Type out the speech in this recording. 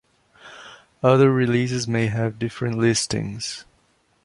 Other releases may have different listings.